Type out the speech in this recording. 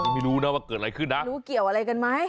ไม่รู้นะว่าเกิดอะไรขึ้นนะรู้เกี่ยวอะไรกันไหม